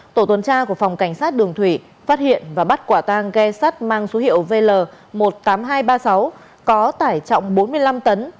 tổ tuần tra của phòng cảnh sát đường thủy phát hiện và bắt quả tang ghe sắt mang số hiệu vl một mươi tám nghìn hai trăm ba mươi sáu có tải trọng bốn mươi năm tấn